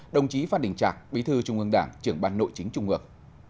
đồng chí phát đình trạc bí thư trung ương đảng trưởng ban nội chính trung ương